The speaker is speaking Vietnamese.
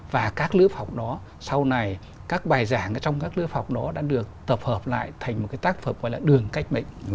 và các lớp học đó sau này các bài giảng trong các lớp học đó đã được tập hợp lại thành một cái tác phẩm gọi là đường cách mệnh